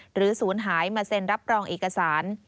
ศูนย์หายมาเซ็นรับรองเอกสาร